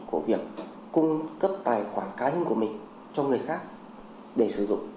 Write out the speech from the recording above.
của việc cung cấp tài khoản cá nhân của mình cho người khác để sử dụng